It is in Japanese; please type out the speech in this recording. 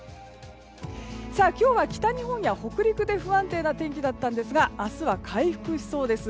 今日は北日本や北陸で不安定な天気でしたが明日は回復しそうです。